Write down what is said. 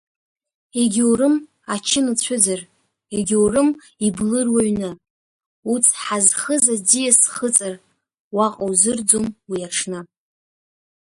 Егьаурым ачын уцәыӡыр, егьаурым иблыр уҩны, уцҳа зхыз аӡиас хыҵыр, уаҟа узырӡом уи аҽны.